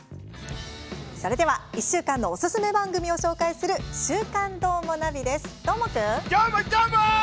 それでは１週間のおすすめ番組を紹介する「週刊どーもナビ」です。